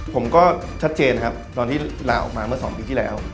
ผมก็ชัดเจนครับตอนที่ลาออกมาเมื่อ๒ปีที่แล้ว